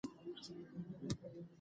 ځنګلونه د افغانستان د اقتصاد برخه ده.